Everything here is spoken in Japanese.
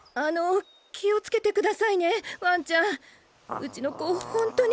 うちの子ほんとに。